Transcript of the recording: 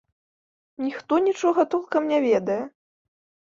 Ніхто нічога толкам не ведае.